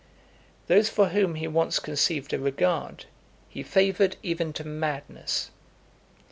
LV. Those for whom he once conceived a regard, he favoured even to madness.